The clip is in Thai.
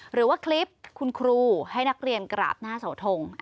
หรือว่าคลิปคุณครูให้นักเรียนกราบหน้าเสาทง